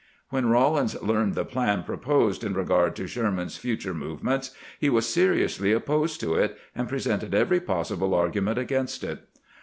When Eawlins learned the plan proposed in regard to Sherman's future movements, he was seri ously opposed to it, and presented every possible argu ment against it.